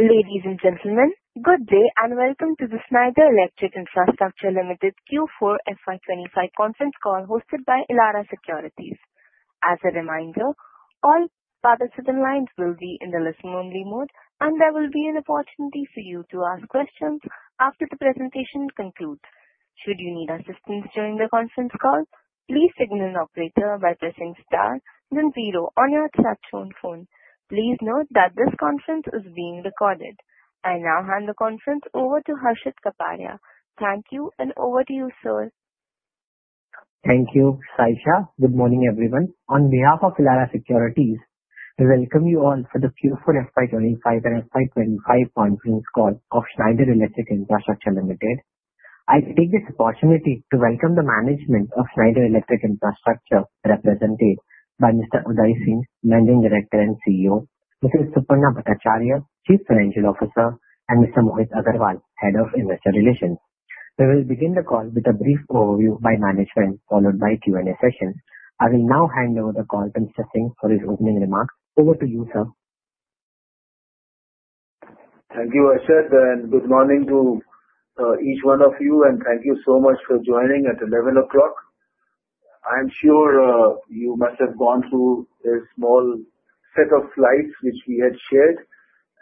Ladies and gentlemen, good day and welcome to the Schneider Electric Infrastructure Ltd Q4 FY 2025 conference call hosted by Elara Securities. As a reminder, all participant lines will be in the listen-only mode, and there will be an opportunity for you to ask questions after the presentation concludes. Should you need assistance during the conference call, please signal an operator by pressing star then zero on your touch-on phone. Please note that this conference is being recorded. I now hand the conference over to Harshit Kapadia. Thank you, and over to you, sir. Thank you, [Saicha]. Good morning, everyone. On behalf of Elara Securities, we welcome you all for the Q4 FY 2025 and FY 2025 conference call of Schneider Electric Infrastructure Ltd. I take this opportunity to welcome the management of Schneider Electric Infrastructure, represented by Mr. Udai Singh, Managing Director and CEO, Mrs. Suparna Bhattacharyya, Chief Financial Officer, and Mr. Mohit Agarwal, Head of Investor Relations. We will begin the call with a brief overview by management, followed by Q&A sessions. I will now hand over the call to Mr. Singh for his opening remarks. Over to you, sir. Thank you, Harshit, and good morning to each one of you, and thank you so much for joining at 11:00 A.M. I'm sure you must have gone through a small set of slides which we had shared,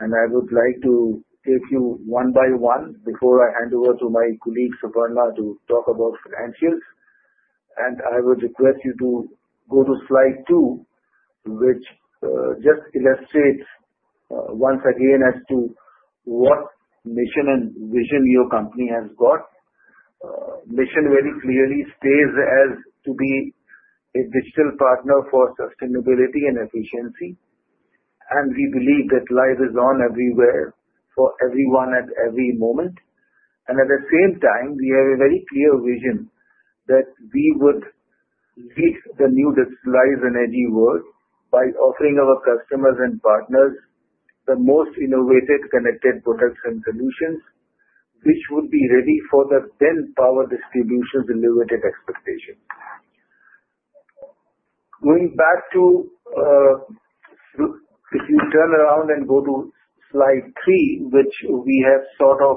and I would like to take you one by one before I hand over to my colleague, Suparna, to talk about financials. I would request you to go to slide two, which just illustrates once again as to what mission and vision your company has got. Mission very clearly stays as to be a digital partner for sustainability and efficiency, and we believe that life is on everywhere for everyone at every moment. At the same time, we have a very clear vision that we would lead the new digitalized energy world by offering our customers and partners the most innovative connected products and solutions, which would be ready for the then power distribution's elevated expectations. If you turn around and go to slide three, which we have sort of,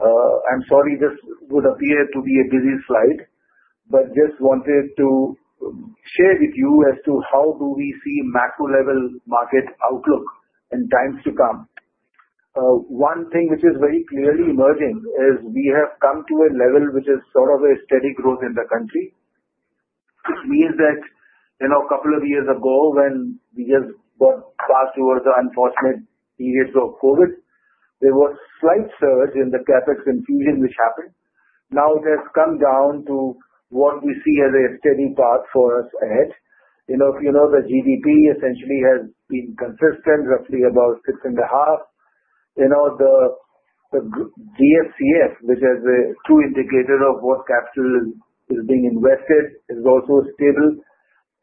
I'm sorry, this would appear to be a busy slide, but just wanted to share with you as to how do we see macro-level market outlook in times to come. One thing which is very clearly emerging is we have come to a level which is sort of a steady growth in the country. It means that a couple of years ago, when we just got passed over the unfortunate periods of COVID, there was a slight surge in the CapEx infusion which happened. Now it has come down to what we see as a steady path for us ahead. If you know, the GDP essentially has been consistent, roughly about 6.5. The GFCF, which is a true indicator of what capital is being invested, is also stable,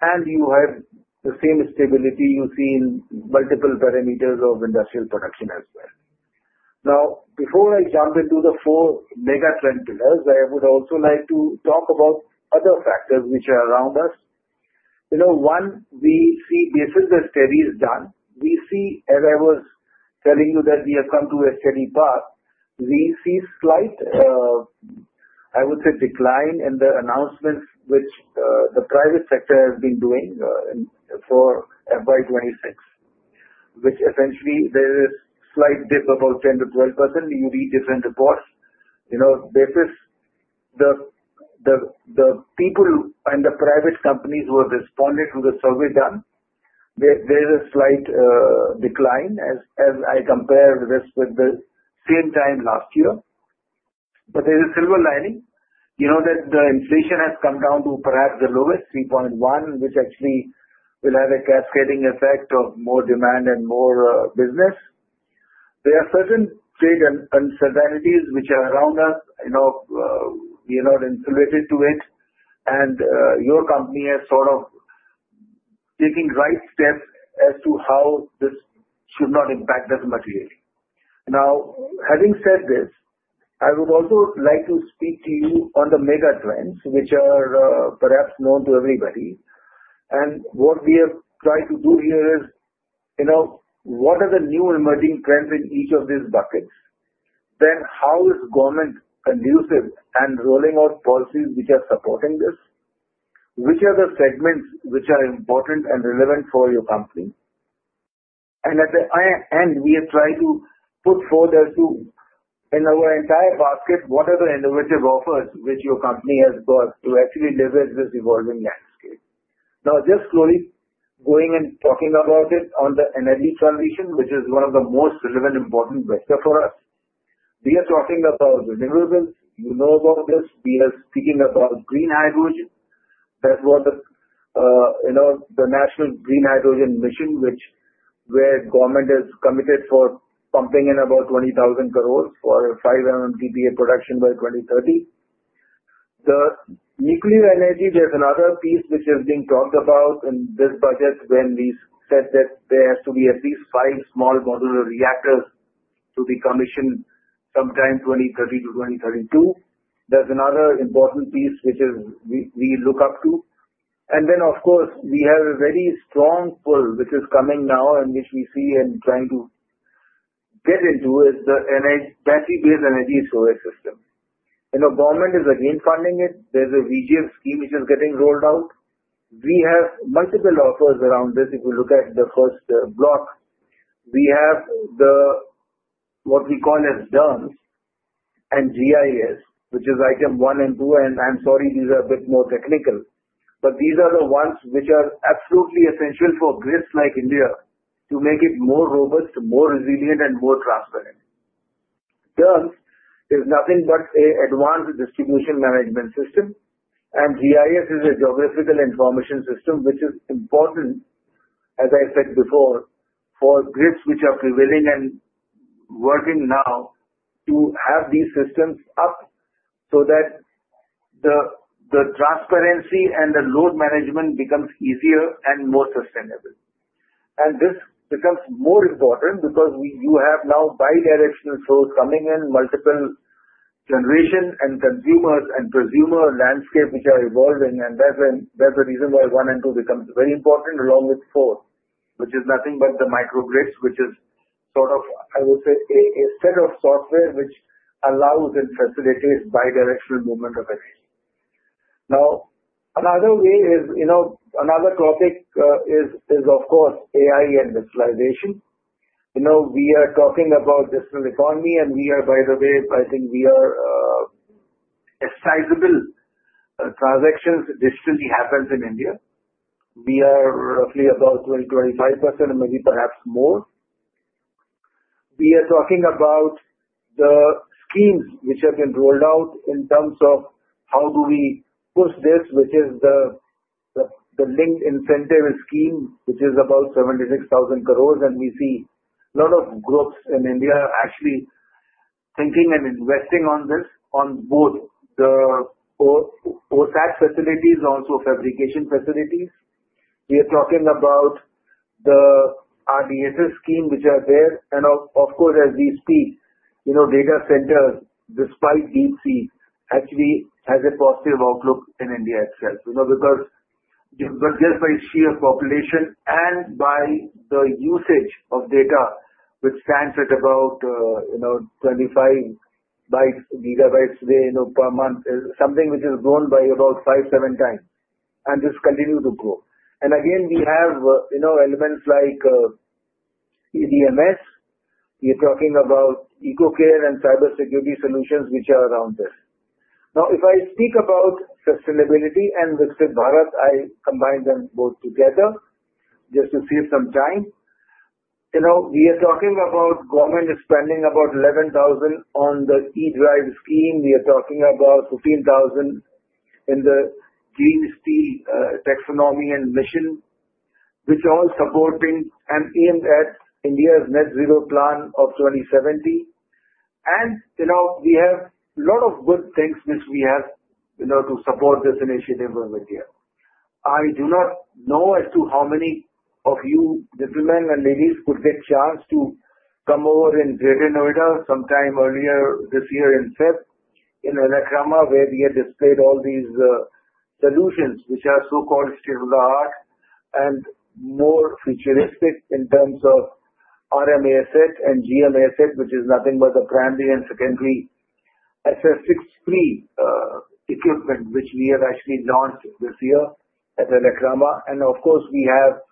and you have the same stability you see in multiple parameters of industrial production as well. Now, before I jump into the four mega trend pillars, I would also like to talk about other factors which are around us. One, we see this is a steady run. We see, as I was telling you, that we have come to a steady path. We see slight, I would say, decline in the announcements which the private sector has been doing for FY 2026, which essentially there is a slight dip of about 10-12%. You read different reports. The people and the private companies who have responded to the survey done, there is a slight decline as I compare this with the same time last year. There is a silver lining that the inflation has come down to perhaps the lowest, 3.1%, which actually will have a cascading effect of more demand and more business. There are certain trade uncertainties which are around us. We are not insulated to it, and your company has sort of taken right steps as to how this should not impact us materially. Now, having said this, I would also like to speak to you on the mega trends, which are perhaps known to everybody. What we have tried to do here is, what are the new emerging trends in each of these buckets? Then how is government conducive and rolling out policies which are supporting this? Which are the segments which are important and relevant for your company? At the end, we have tried to put forward as to, in our entire basket, what are the innovative offers which your company has got to actually leverage this evolving landscape? Now, just slowly going and talking about it on the energy transition, which is one of the most relevant, important vectors for us. We are talking about renewables. You know about this. We are speaking about green hydrogen. That was the National Green Hydrogen Mission, where government has committed for pumping in about 20,000 crore for five MMTPA production by 2030. The nuclear energy, there is another piece which is being talked about in this budget when we said that there has to be at least five small modular reactors to be commissioned sometime 2030-2032. That is another important piece which we look up to. Of course, we have a very strong pull which is coming now and which we see and trying to get into is the battery-based energy storage system. Government is again funding it. There is a VGF scheme which is getting rolled out. We have multiple offers around this. If we look at the first block, we have what we call as DERMS and GIS, which is item one and two. I'm sorry, these are a bit more technical, but these are the ones which are absolutely essential for grids like India to make it more robust, more resilient, and more transparent. DERMS is nothing but an advanced distribution management system, and GIS is a geographical information system which is important, as I said before, for grids which are prevailing and working now to have these systems up so that the transparency and the load management becomes easier and more sustainable. This becomes more important because you have now bidirectional flows coming in, multiple generation and consumers and consumer landscape which are evolving. That is the reason why one and two becomes very important along with four, which is nothing but the microgrids, which is sort of, I would say, a set of software which allows and facilitates bidirectional movement of energy. Now, another way is another topic is, of course, AI and digitalization. We are talking about digital economy, and we are, by the way, I think we are a sizable transaction digitally happens in India. We are roughly about 20-25%, maybe perhaps more. We are talking about the schemes which have been rolled out in terms of how do we push this, which is the linked incentive scheme, which is about 76,000 crore. We see a lot of groups in India actually thinking and investing on this, on both the OSAT facilities, also fabrication facilities. We are talking about the RDSS scheme which are there. Of course, as we speak, data centers, despite deep sea, actually has a positive outlook in India itself because just by sheer population and by the usage of data, which stands at about 25 GB per month, something which has grown by about five-seven times, and just continues to grow. Again, we have elements like EDMS. We are talking about eco-care and cybersecurity solutions which are around this. Now, if I speak about sustainability and Viksit Bharat, I combine them both together just to save some time. We are talking about government is spending about 11,000 on the E-Drive scheme. We are talking about 15,000 in the green steel taxonomy and mission, which all supporting and aimed at India's net zero plan of 2070. And we have a lot of good things which we have to support this initiative over here. I do not know as to how many of you gentlemen and ladies could get a chance to come over in Greater Noida sometime earlier this year in February in ELECRAMA, where we have displayed all these solutions which are so-called state of the art and more futuristic in terms of RMASET and GMASET, which is nothing but a primary and secondary SS6P equipment which we have actually launched this year at ELECRAMA. Of course, we have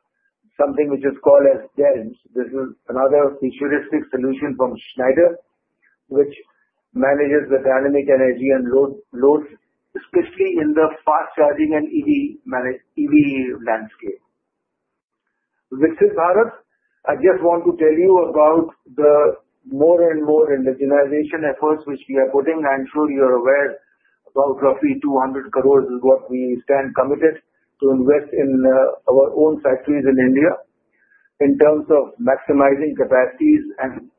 something which is called as DELMS. This is another futuristic solution from Schneider, which manages the dynamic energy and loads, especially in the fast charging and EV landscape. Viksit Bharat, I just want to tell you about the more and more indigenization efforts which we are putting. I'm sure you're aware about roughly 200 crore is what we stand committed to invest in our own factories in India in terms of maximizing capacities and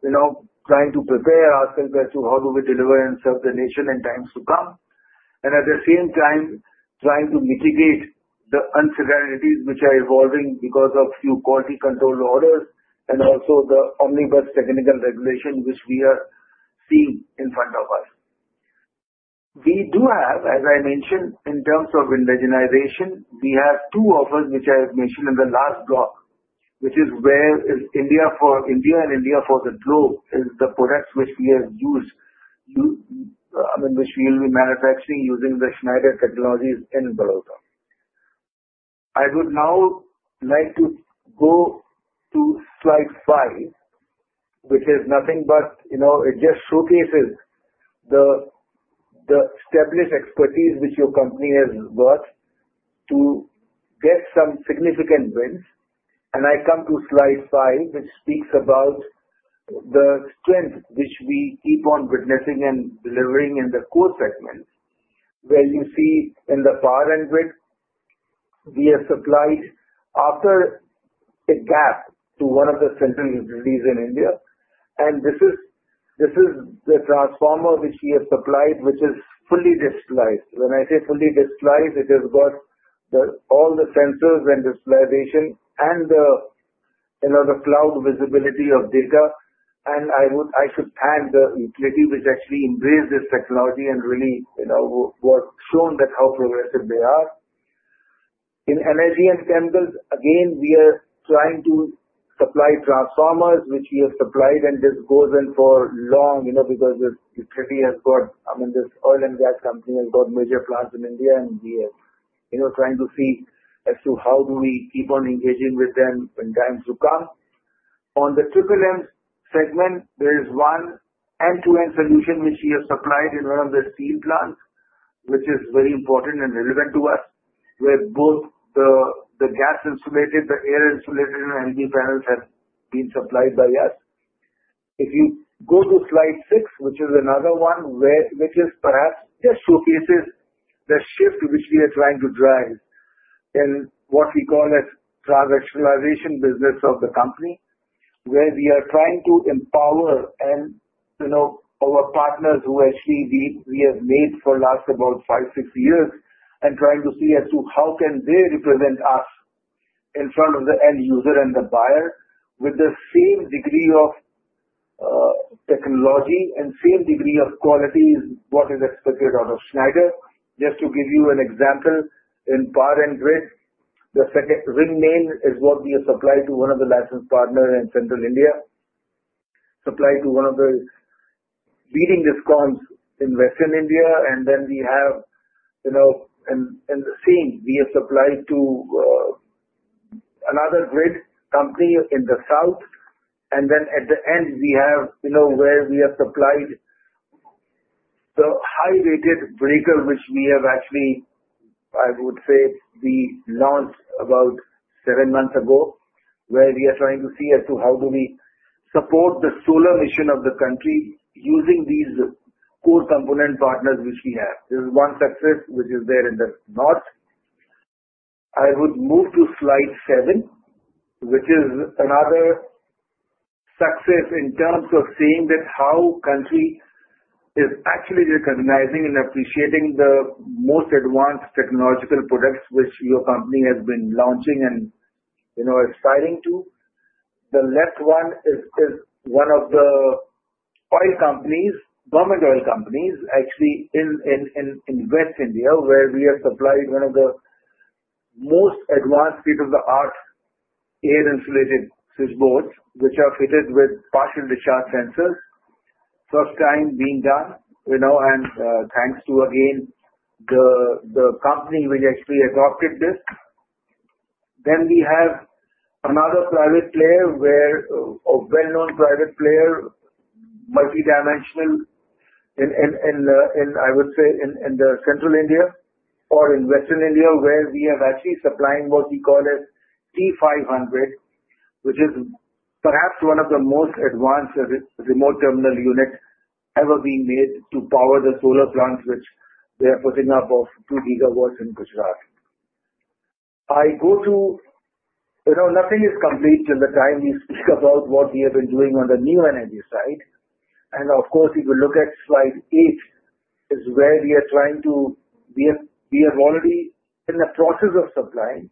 trying to prepare ourselves as to how do we deliver and serve the nation in times to come. At the same time, trying to mitigate the uncertainties which are evolving because of few quality control orders and also the Omnibus Technical Regulation, which we are seeing in front of us. We do have, as I mentioned, in terms of indigenization, we have two offers which I have mentioned in the last block, which is where is India for India and India for the globe is the products which we have used, which we will be manufacturing using the Schneider technologies in [Vadodara]. I would now like to go to slide five, which is nothing but it just showcases the established expertise which your company has got to get some significant wins. I come to slide five, which speaks about the strength which we keep on witnessing and delivering in the core segment, where you see in the power and grid, we have supplied after a gap to one of the central utilities in India. This is the transformer which we have supplied, which is fully digitalized. When I say fully digitalized, it has got all the sensors and digitalization and the cloud visibility of data. I should add the utility which actually embraces technology and really was shown that how progressive they are. In energy and chemicals, again, we are trying to supply transformers, which we have supplied, and this goes on for long because utility has got, I mean, this oil and gas company has got major plants in India, and we are trying to see as to how do we keep on engaging with them in times to come. On the triple M segment, there is one end-to-end solution which we have supplied in one of the steel plants, which is very important and relevant to us, where both the gas insulated, the air insulated, and LED panels have been supplied by us. If you go to slide six, which is another one, which is perhaps just showcases the shift which we are trying to drive in what we call as transactionalization business of the company, where we are trying to empower our partners who actually we have made for the last about five, six years and trying to see as to how can they represent us in front of the end user and the buyer with the same degree of technology and same degree of quality as what is expected out of Schneider. Just to give you an example, in power and grid, the Ring Main is what we have supplied to one of the licensed partners in Central India, supplied to one of the leading discoms in Western India. In the same, we have supplied to another grid company in the South. At the end, we have where we have supplied the high-rated breaker, which we have actually, I would say, we launched about seven months ago, where we are trying to see as to how do we support the solar mission of the country using these core component partners which we have. This is one success which is there in the north. I would move to slide seven, which is another success in terms of seeing that how country is actually recognizing and appreciating the most advanced technological products which your company has been launching and aspiring to. The left one is one of the oil companies, government oil companies, actually in West India, where we have supplied one of the most advanced state-of-the-art air insulated switchboards, which are fitted with partial discharge sensors. First time being done. Thanks to, again, the company which actually adopted this. We have another private player, a well-known private player, multidimensional, I would say, in Central India or in Western India, where we are actually supplying what we call as T500, which is perhaps one of the most advanced remote terminal units ever being made to power the solar plants, which they are putting up of 2 GW in Gujarat. I go to nothing is complete till the time we speak about what we have been doing on the new energy side. Of course, if you look at slide eight, is where we are trying to, we are already in the process of supplying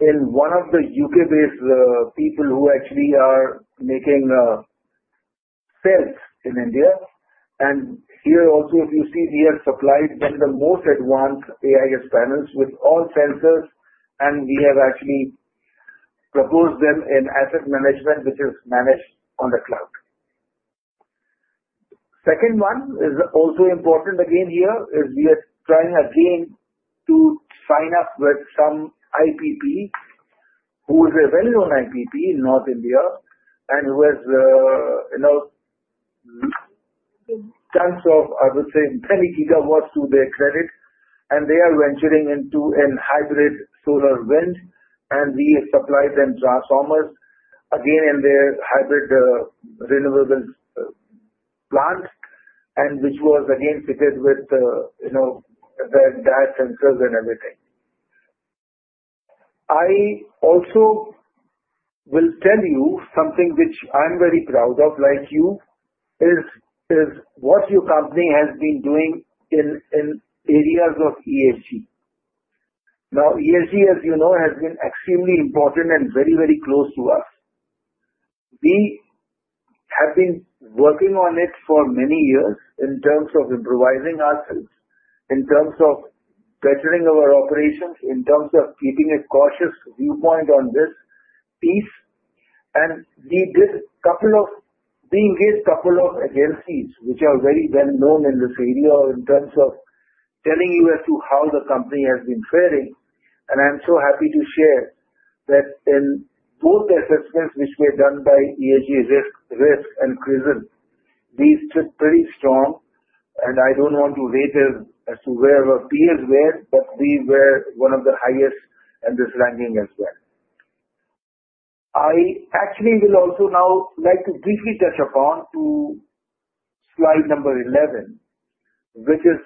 in one of the U.K.-based people who actually are making cells in India. Here also, if you see, we have supplied one of the most advanced AIS panels with all sensors, and we have actually proposed them in asset management, which is managed on the cloud. The second one is also important again here. We are trying again to sign up with some IPP who is a well-known IPP in North India and who has tons of, I would say, many gigawatts to their credit. They are venturing into a hybrid solar wind, and we have supplied them transformers again in their hybrid renewables plant, which was again fitted with their DAS sensors and everything. I also will tell you something which I'm very proud of, like you, is what your company has been doing in areas of ESG. Now, ESG, as you know, has been extremely important and very, very close to us. We have been working on it for many years in terms of improvising ourselves, in terms of bettering our operations, in terms of keeping a cautious viewpoint on this piece. We engaged a couple of agencies which are very well known in this area in terms of telling you as to how the company has been faring. I'm so happy to share that in both the assessments which were done by ESG Risk and Crisis, we stood pretty strong. I don't want to rate as to where our peers were, but we were one of the highest in this ranking as well. I actually will also now like to briefly touch upon slide number 11, which is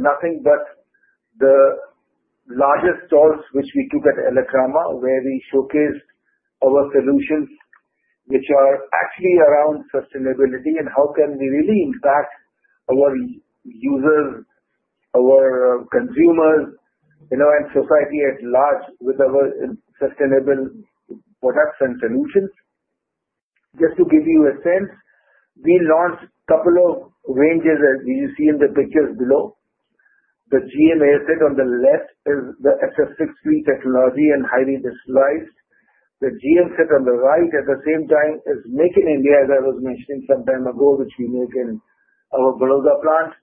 nothing but the largest talks which we took at ELECRAMA, where we showcased our solutions which are actually around sustainability and how can we really impact our users, our consumers, and society at large with our sustainable products and solutions. Just to give you a sense, we launched a couple of ranges as you see in the pictures below. The GMASET on the left is the SS6P technology and highly digitalized. The GMASET on the right at the same time is Make in India, as I was mentioning some time ago, which we make in our Baroda plant.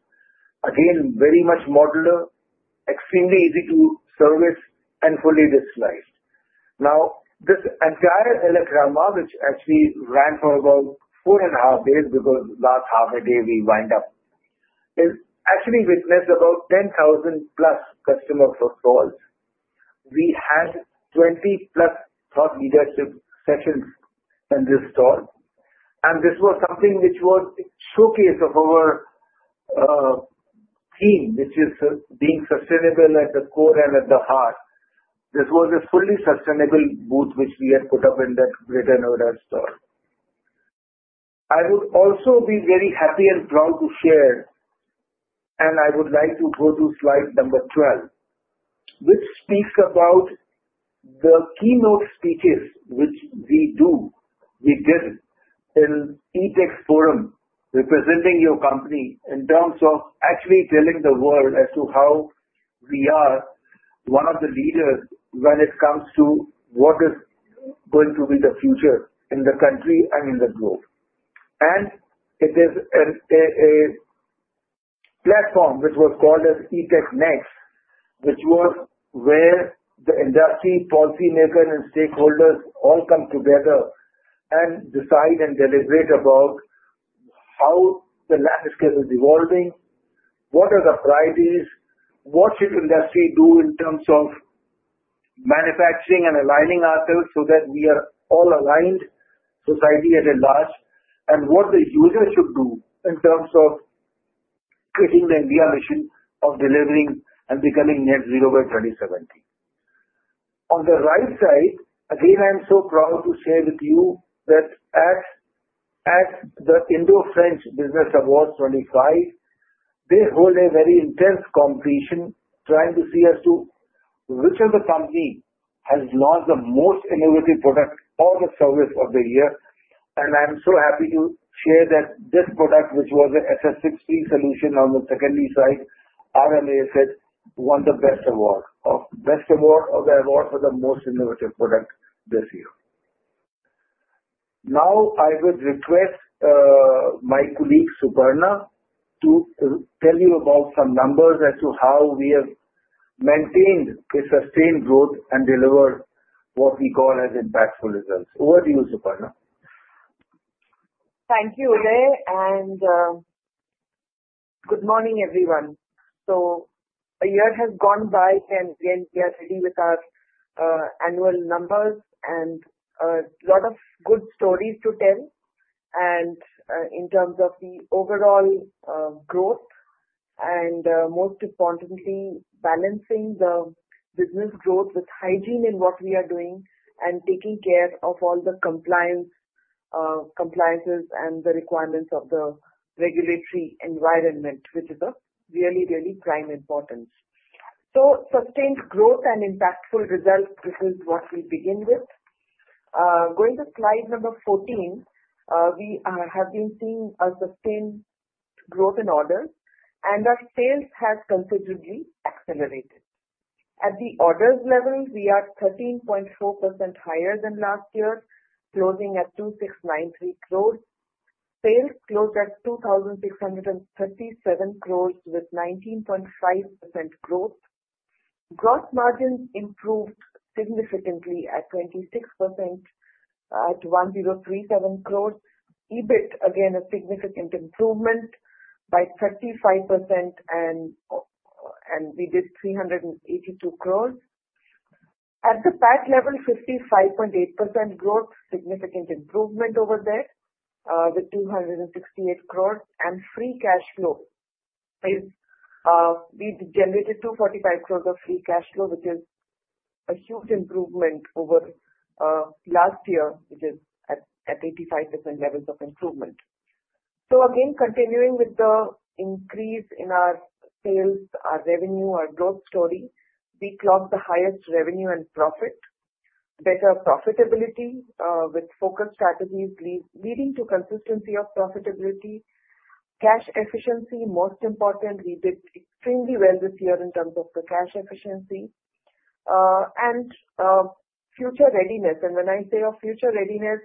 Again, very much modular, extremely easy to service, and fully digitalized. Now, this entire ELECRAMA, which actually ran for about four and a half days because last half a day we wind up, actually witnessed about 10,000+ customer portfolios. We had 20+ thought leadership sessions in this talk. This was something which was a showcase of our theme, which is being sustainable at the core and at the heart. This was a fully sustainable booth which we had put up in that Greater Noida stall. I would also be very happy and proud to share, and I would like to go to slide number 12, which speaks about the keynote speeches which we did in Etex Forum representing your company in terms of actually telling the world as to how we are one of the leaders when it comes to what is going to be the future in the country and in the globe. It is a platform which was called as Etex Next, which was where the industry policymakers and stakeholders all come together and decide and deliberate about how the landscape is evolving, what are the priorities, what should industry do in terms of manufacturing and aligning ourselves so that we are all aligned, society at a large, and what the users should do in terms of creating the India mission of delivering and becoming net zero by 2070. On the right side, again, I'm so proud to share with you that at the Indo-French Business Awards 2025, they hold a very intense competition trying to see as to which of the companies has launched the most innovative product or the service of the year. I'm so happy to share that this product, which was an SS6P solution on the secondary side, RMASET, won the best award of the award for the most innovative product this year. I would request my colleague, Suparna, to tell you about some numbers as to how we have maintained a sustained growth and delivered what we call as impactful results. Over to you, Suparna. Thank you, Udai. Good morning, everyone. A year has gone by, and again, we are ready with our annual numbers and a lot of good stories to tell. In terms of the overall growth and most importantly, balancing the business growth with hygiene in what we are doing and taking care of all the compliances and the requirements of the regulatory environment, which is of really, really prime importance. Sustained growth and impactful results, this is what we begin with. Going to slide number 14, we have been seeing a sustained growth in orders, and our sales have considerably accelerated. At the orders level, we are 13.4% higher than last year, closing at 2,693 crore. Sales closed at 2,637 crore with 19.5% growth. Gross margins improved significantly at 26% at 1,037 crore. EBIT, again, a significant improvement by 35%, and we did 382 crore. At the PAT level, 55.8% growth, significant improvement over there with 268 crore. Free cash flow, we generated 245 crore of free cash flow, which is a huge improvement over last year, which is at 85% levels of improvement. Again, continuing with the increase in our sales, our revenue, our growth story, we clocked the highest revenue and profit, better profitability with focus strategies leading to consistency of profitability. Cash efficiency, most important, we did extremely well this year in terms of the cash efficiency. Future readiness. When I say our future readiness,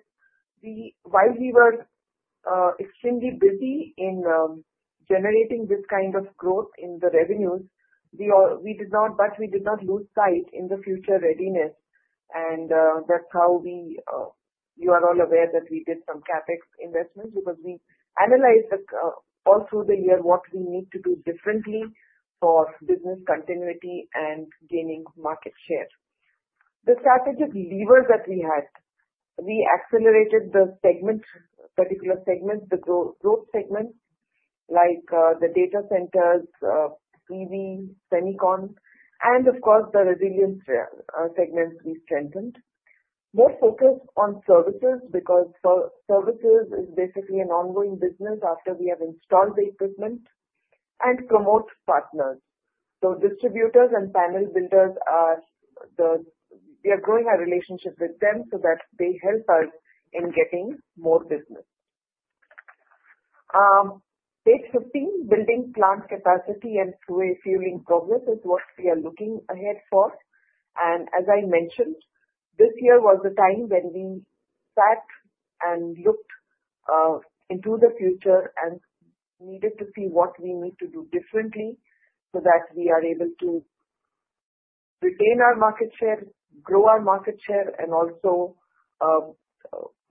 while we were extremely busy in generating this kind of growth in the revenues, we did not lose sight in the future readiness. That is how you are all aware that we did some CapEx investments because we analyzed all through the year what we need to do differently for business continuity and gaining market share. The strategic levers that we had, we accelerated the particular segments, the growth segments like the data centers, EV, semicon, and of course, the resilience segments we strengthened. More focus on services because services is basically an ongoing business after we have installed the equipment and promote partners. Distributors and panel builders, we are growing our relationship with them so that they help us in getting more business. Page 15, building plant capacity and fueling progress is what we are looking ahead for. As I mentioned, this year was the time when we sat and looked into the future and needed to see what we need to do differently so that we are able to retain our market share, grow our market share, and also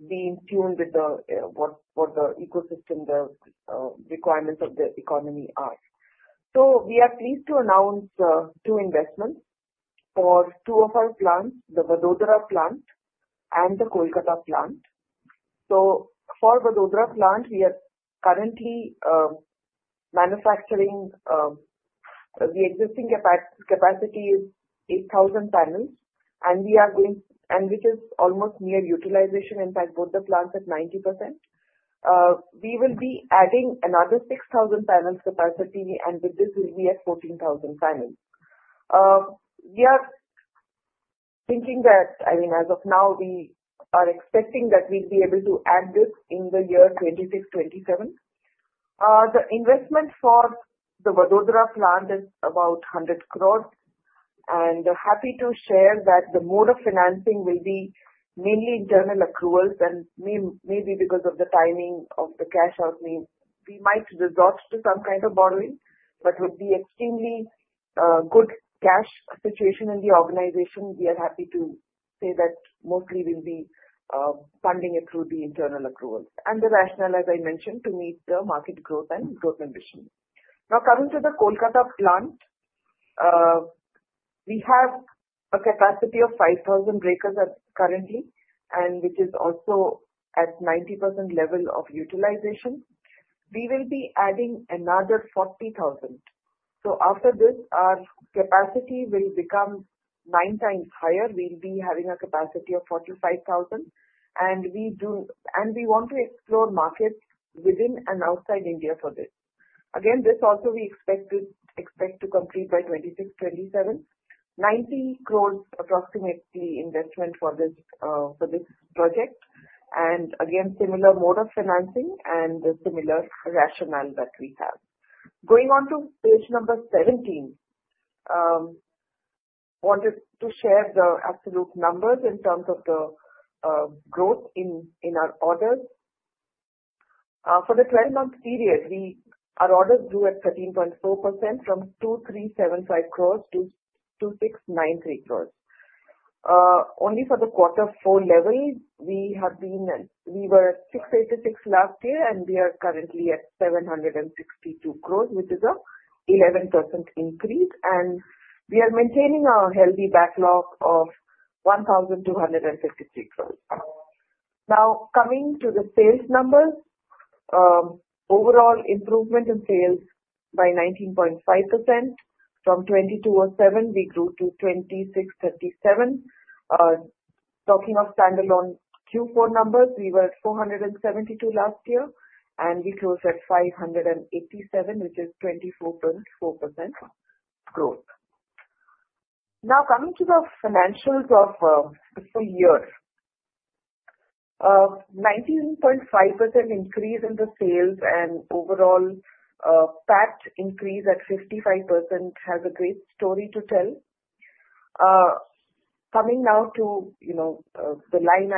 be in tune with what the ecosystem, the requirements of the economy are. We are pleased to announce two investments for two of our plants, the Vadodara plant and the Kolkata plant. For Vadodara plant, we are currently manufacturing, the existing capacity is 8,000 panels, and we are going, and which is almost near utilization. In fact, both the plants at 90%. We will be adding another 6,000 panels capacity, and with this, we'll be at 14,000 panels. We are thinking that, I mean, as of now, we are expecting that we'll be able to add this in the year 2026-2027. The investment for the Vadodara plant is about 100 crore. Happy to share that the mode of financing will be mainly internal accruals. Maybe because of the timing of the cash out, we might resort to some kind of borrowing, but with the extremely good cash situation in the organization, we are happy to say that mostly we'll be funding it through the internal accruals. The rationale, as I mentioned, is to meet the market growth and growth ambition. Now, coming to the Kolkata plant, we have a capacity of 5,000 breakers currently, and which is also at 90% level of utilization. We will be adding another 40,000. After this, our capacity will become nine times higher. We'll be having a capacity of 45,000. We want to explore markets within and outside India for this. Again, this also we expect to complete by 2026-2027. 90 crore approximately investment for this project. Again, similar mode of financing and the similar rationale that we have. Going on to page number 17, wanted to share the absolute numbers in terms of the growth in our orders. For the 12-month period, our orders grew at 13.4% from 2,375 crore to 2,693 crore. Only for the quarter four level, we were at 686 last year, and we are currently at 762 crore, which is a 11% increase. We are maintaining a healthy backlog of 1,253 crore. Now, coming to the sales numbers, overall improvement in sales by 19.5%. From 2,207, we grew to 2,637. Talking of standalone Q4 numbers, we were at 472 last year, and we closed at 587, which is 24.4% growth. Now, coming to the financials of the year, 19.5% increase in the sales and overall PAT increase at 55% has a great story to tell. Coming now to the P&L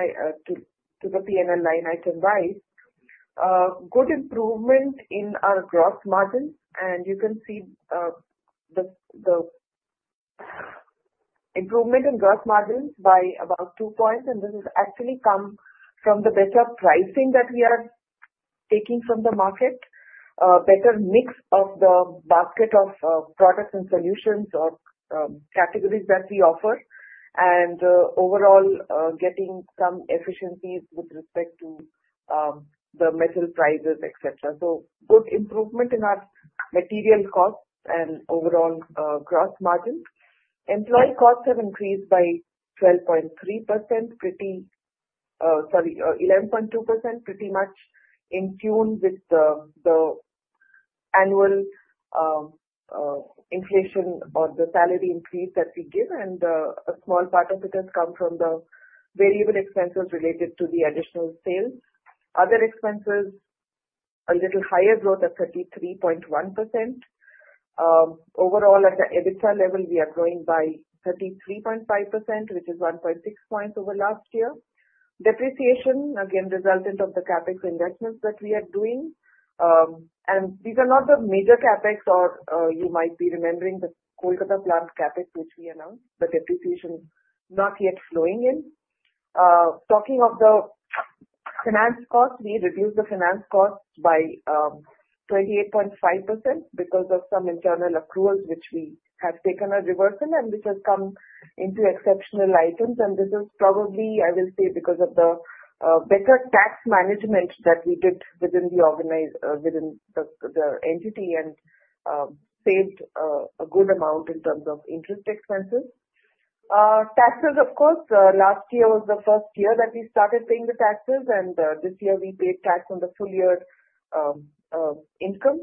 line item wise, good improvement in our gross margins. You can see the improvement in gross margins by about two percentage points. This has actually come from the better pricing that we are taking from the market, better mix of the basket of products and solutions or categories that we offer, and overall getting some efficiencies with respect to the metal prices, etc. Good improvement in our material costs and overall gross margins. Employee costs have increased by 12.3%, sorry, 11.2%, pretty much in tune with the annual inflation or the salary increase that we give. A small part of it has come from the variable expenses related to the additional sales. Other expenses, a little higher growth at 33.1%. Overall, at the EBITDA level, we are growing by 33.5%, which is 1.6 points over last year. Depreciation, again, resultant of the CapEx investments that we are doing. These are not the major CapEx, or you might be remembering the Kolkata plant CapEx, which we announced, but depreciation not yet flowing in. Talking of the finance costs, we reduced the finance costs by 28.5% because of some internal accruals, which we have taken a reverse in, and which has come into exceptional items. This is probably, I will say, because of the better tax management that we did within the entity and saved a good amount in terms of interest expenses. Taxes, of course, last year was the first year that we started paying the taxes, and this year we paid tax on the full year income.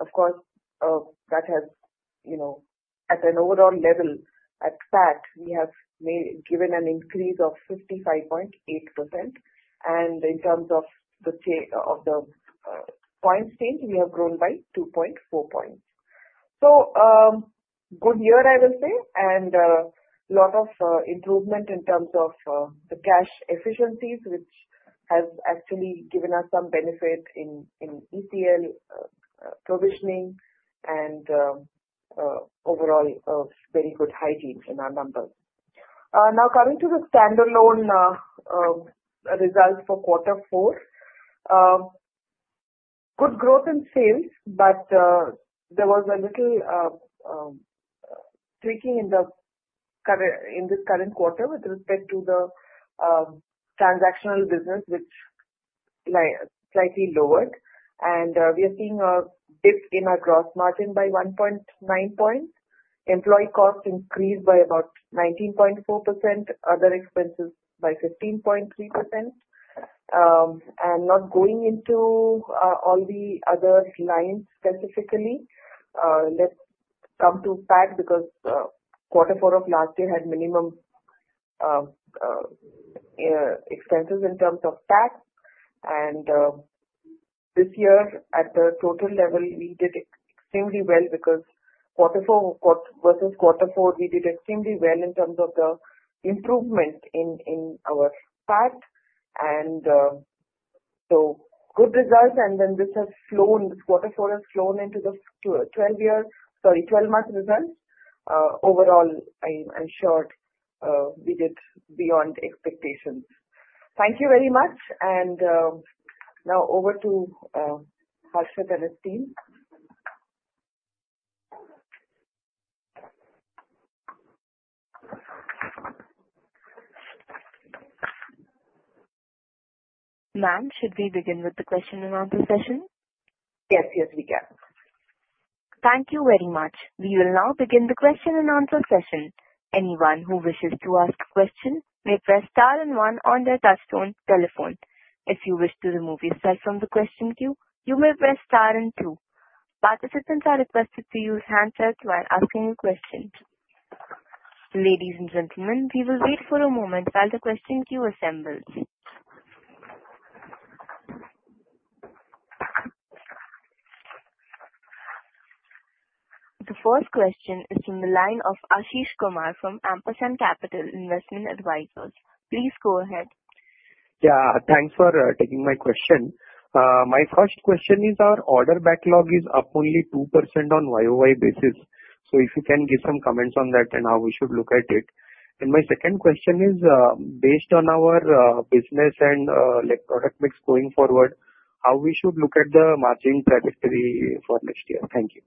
Of course, that has at an overall level at PAT, we have given an increase of 55.8%. In terms of the points change, we have grown by 2.4 points. Good year, I will say, and a lot of improvement in terms of the cash efficiencies, which has actually given us some benefit in ETL provisioning and overall very good hygiene in our numbers. Now, coming to the standalone results for quarter four, good growth in sales, but there was a little tweaking in this current quarter with respect to the transactional business, which slightly lowered. We are seeing a dip in our gross margin by 1.9 points. Employee cost increased by about 19.4%, other expenses by 15.3%. Not going into all the other lines specifically, let's come to PAT because quarter four of last year had minimum expenses in terms of tax. This year, at the total level, we did extremely well because quarter four versus quarter four, we did extremely well in terms of the improvement in our PAT. Good results. This quarter four has flown into the 12-month results. Overall, I'm sure we did beyond expectations. Thank you very much. Now over to Harshit and his team. Ma'am, should we begin with the question and answer session? Yes, yes, we can. Thank you very much. We will now begin the question and answer session. Anyone who wishes to ask a question may press star and one on their touchstone telephone. If you wish to remove yourself from the question queue, you may press star and two. Participants are requested to use handsets while asking your questions. Ladies and gentlemen, we will wait for a moment while the question queue assembles. The first question is from the line of Ashish Kumar from Ampersand Capital Investment Advisors. Please go ahead. Yeah, thanks for taking my question. My first question is our order backlog is up only 2% on YoY basis. If you can give some comments on that and how we should look at it. My second question is based on our business and product mix going forward, how we should look at the margin trajectory for next year. Thank you.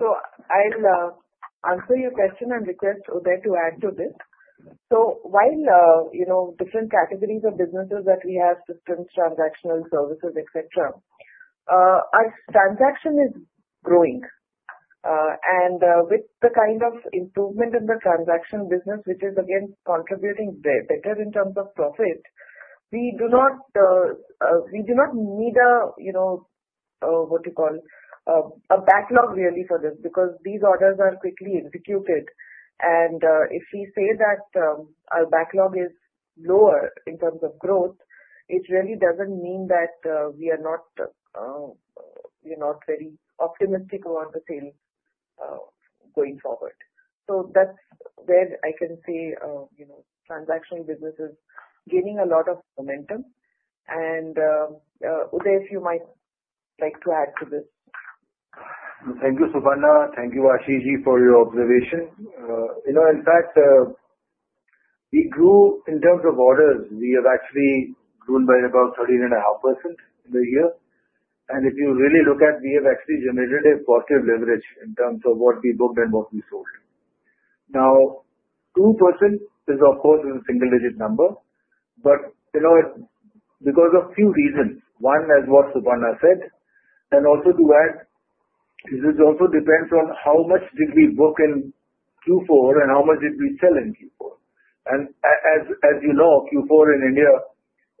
I'll answer your question and request Udai to add to this. While different categories of businesses that we have, systems, transactional services, etc., our transaction is growing. With the kind of improvement in the transaction business, which is again contributing better in terms of profit, we do not need a, what you call, a backlog really for this because these orders are quickly executed. If we say that our backlog is lower in terms of growth, it really does not mean that we are not very optimistic about the sales going forward. That's where I can say transactional business is gaining a lot of momentum. Udai, if you might like to add to this. Thank you, Suparna. Thank you, Ashish, for your observation. In fact, we grew in terms of orders. We have actually grown by about 13.5% in a year. And if you really look at, we have actually generated a positive leverage in terms of what we booked and what we sold. Now, 2% is, of course, a single-digit number, but because of a few reasons. One is what Suparna said. And also to add, it also depends on how much did we book in Q4 and how much did we sell in Q4. And as you know, Q4 in India,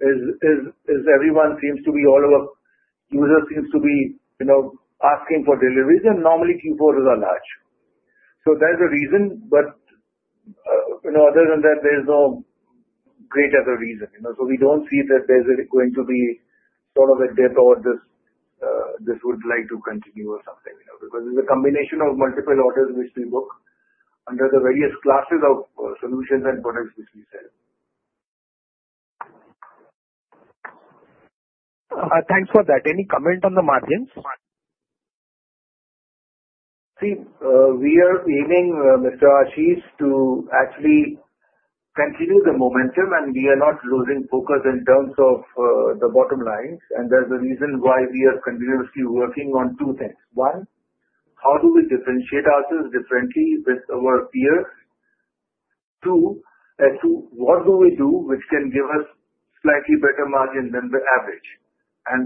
everyone seems to be, all of us seem to be asking for deliveries. And normally, Q4 is a large. So there's a reason, but other than that, there's no greater reason. We don't see that there's going to be sort of a dip or this would like to continue or something because it's a combination of multiple orders which we book under the various classes of solutions and products which we sell. Thanks for that. Any comment on the margins? See, we are aiming, Mr. Ashish, to actually continue the momentum, and we are not losing focus in terms of the bottom lines. There is a reason why we are continuously working on two things. One, how do we differentiate ourselves differently with our peers? Two, what do we do which can give us slightly better margin than the average?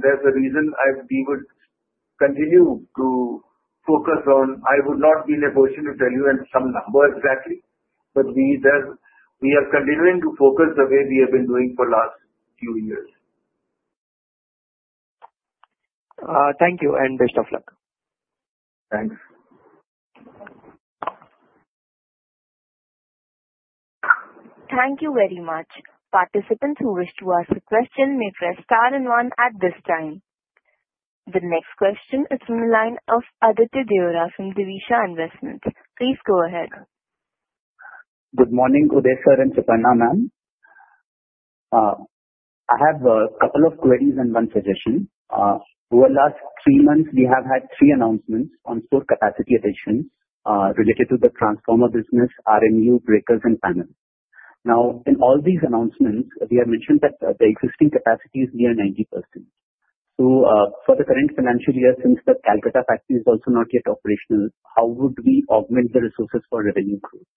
There is a reason we would continue to focus on, I would not be in a position to tell you some number exactly, but we are continuing to focus the way we have been doing for the last few years. Thank you, and best of luck. Thanks. Thank you very much. Participants who wish to ask a question may press star and one at this time. The next question is from the line of Aditya Deorah from Divisha Investments. Please go ahead. Good morning, Udai sir and Suparna ma'am. I have a couple of queries and one suggestion. Over the last three months, we have had three announcements on four capacity additions related to the transformer business, RMU, breakers, and panels. Now, in all these announcements, we have mentioned that the existing capacity is near 90%. For the current financial year, since the Kolkata factory is also not yet operational, how would we augment the resources for revenue growth?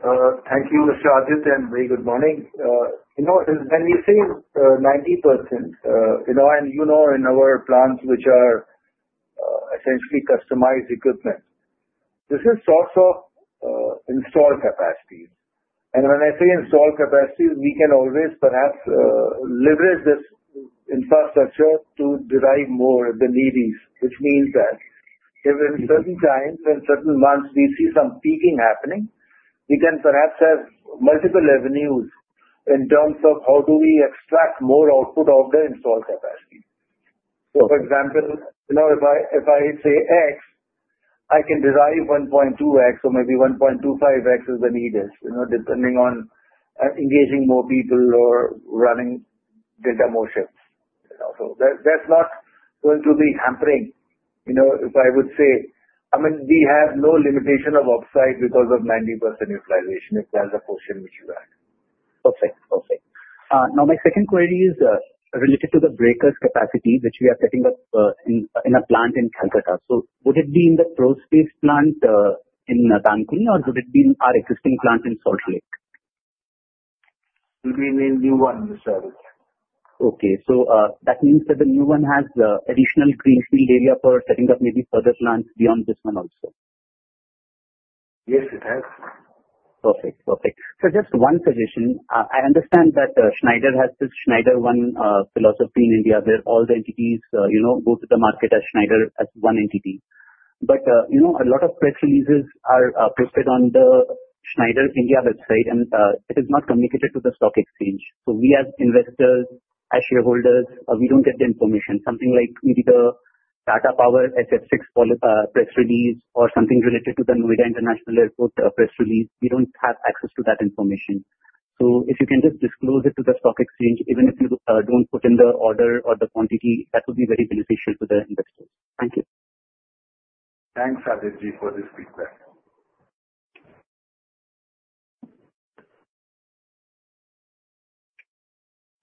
Thank you, Mr. Aditya, and very good morning. When we say 90%, and you know in our plants which are essentially customized equipment, this is sort of installed capacity. When I say installed capacity, we can always perhaps leverage this infrastructure to derive more at the needs, which means that if in certain times and certain months we see some peaking happening, we can perhaps have multiple avenues in terms of how do we extract more output of the installed capacity. For example, if I say x, I can derive 1.2x or maybe 1.25x as the need is, depending on engaging more people or running more shifts. That is not going to be hampering if I would say, I mean, we have no limitation of upside because of 90% utilization if there is a question which you ask. Perfect, perfect. Now, my second query is related to the breakers capacity which we are setting up in a plant in Kolkata. So would it be in the Prospace plant in [Dankuni], or would it be in our existing plant in [Salt Lake]? It will be in the new one, Mr. Aditya. Okay. So that means that the new one has additional greenfield area for setting up maybe further plants beyond this one also? Yes, it has. Perfect, perfect. Just one suggestion. I understand that Schneider has this Schneider One philosophy in India where all the entities go to the market as Schneider as one entity. A lot of press releases are posted on the Schneider India website, and it is not communicated to the stock exchange. We as investors, as shareholders, do not get the information. Something like maybe the Tata Power SF6 press release or something related to the Noida International Airport press release, we do not have access to that information. If you can just disclose it to the stock exchange, even if you do not put in the order or the quantity, that would be very beneficial to the investors. Thank you. Thanks, Aditi, for this feedback.